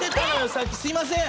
さっきすいません。